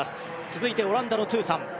続いてオランダのトゥーサン。